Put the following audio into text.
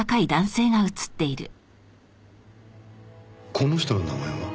この人の名前は？